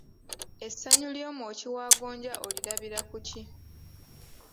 Essanyu ly’omwoki wa gonja olirabira ku ki?